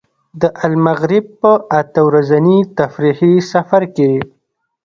د المغرب په اته ورځني تفریحي سفر کې.